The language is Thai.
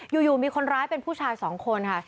อยู่มีคนร้ายเป็นผู้ชาย๒คนค่ะ